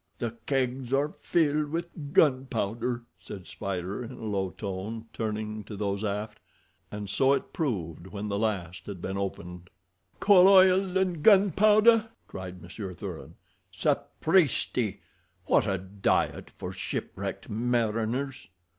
"The kegs are filled with gunpowder," said Spider, in a low tone, turning to those aft. And so it proved when the last had been opened. "Coal oil and gunpowder!" cried Monsieur Thuran. "Sapristi! What a diet for shipwrecked mariners!"